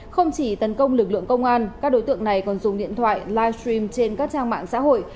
không chỉ tấn công lực lượng công an các đối tượng này còn dùng điện thoại livestream trên các trang mạng xã hội